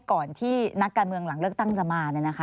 ก่อนที่นักการเมืองหลังเลือกตั้งจะมา